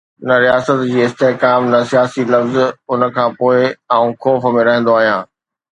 نه رياست جي استحڪام، نه سياسي لفظ، ان کان پوء آئون خوف ۾ رهندو آهيان.